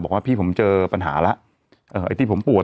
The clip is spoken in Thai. บอกว่าพี่ผมเจอปัญหาแล้วไอ้ที่ผมป่วย